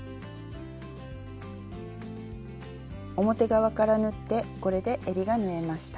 表側から縫ってこれでえりが縫えました。